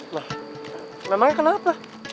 nah memangnya kenapa